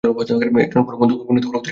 একজন পুরানো বন্ধু কখনই অতিরিক্ত অতিথি নয়।